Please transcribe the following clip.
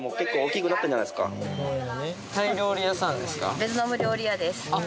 ベトナム料理屋ですあっ